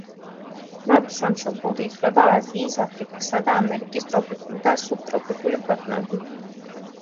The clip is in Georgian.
მათ სამშობლოდ ითვლება აზიის, აფრიკისა და ამერიკის ტროპიკული და სუბტროპიკული ქვეყნები.